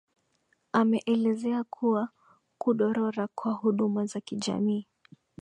ameelezea kuwa kudorora kwa huduma za kijamii